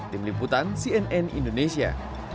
tim liputan cnn indonesia